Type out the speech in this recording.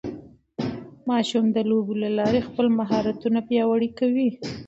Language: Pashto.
ماشومان د لوبو له لارې خپل مهارتونه پیاوړي کوي.